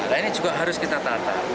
nah ini juga harus kita tata